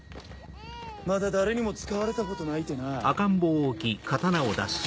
まだ誰にも使われたことないてなぁ。